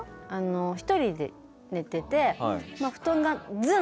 １人で寝てて。